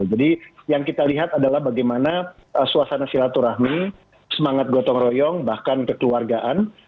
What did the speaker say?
jadi yang kita lihat adalah bagaimana suasana silaturahmi semangat gotong royong bahkan kekeluargaan